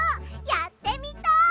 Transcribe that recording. やってみたい！